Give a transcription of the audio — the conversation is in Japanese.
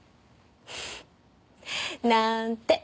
なんて